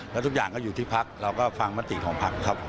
แล้วทุกอย่างก็อยู่ที่พักเราก็ฟังมติของพักครับ